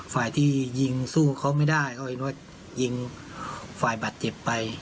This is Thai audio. ฝ่ายที่ยิงสู้เขาไม่ได้เขาเห็นว่ายิงฝ่ายบาดเจ็บไป